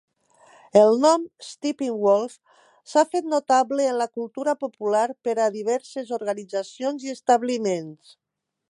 El nom "Steppenwolf" s'ha fet notable en la cultura popular per a diverses organitzacions i establiments.